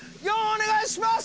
４お願いします！